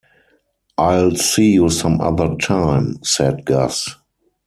"I'll see you some other time," said Gus.